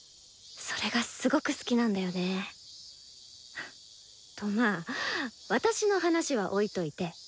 それがすごく好きなんだよね。とまあ私の話は置いといて。